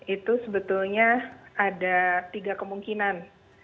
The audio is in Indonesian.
itu sebetulnya ada tiga kemungkinan